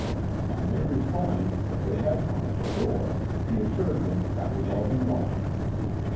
On their replying that they had one at the door, he assured them that was all he wanted.